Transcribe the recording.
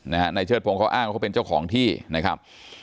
นายเชิดพงศ์เขาอ้างว่าเขาเป็นเจ้าของที่นะครับ